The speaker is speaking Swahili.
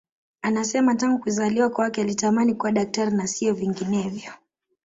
Anasema tangu kuzaliwa kwake alitamani kuwa daktari na sio vinginevyo